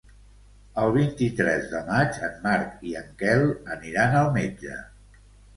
El vint-i-tres de maig en Marc i en Quel aniran al metge.